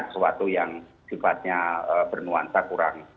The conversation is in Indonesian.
sesuatu yang sifatnya bernuansa kurang